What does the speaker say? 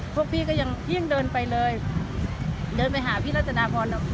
พวกพี่ก็ยังเดินไปเลยเดินไปหาพี่รัฐนาพรอ่ะ